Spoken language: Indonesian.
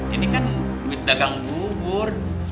ini kan duit dagang bubur